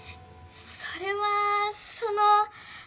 それはその。